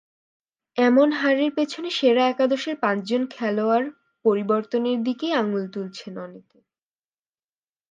এমন হারের পেছনে সেরা একাদশের পাঁচজন খেলোয়াড় পরিবর্তনের দিকেই আঙুল তুলছেন অনেকে।